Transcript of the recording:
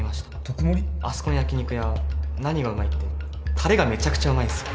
あそこの焼き肉屋何がうまいってタレがメチャクチャうまいんですよ